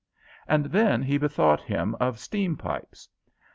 And then he bethought him of steam pipes.